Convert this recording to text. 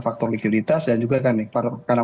faktor likuiditas dan juga karena